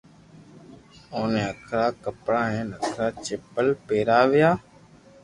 اوني ھکرا ڪپڙا ھين ھکرا چپل پيراويا